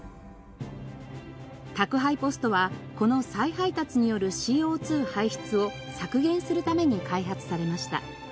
宅配ポストはこの再配達によるＣＯ２排出を削減するために開発されました。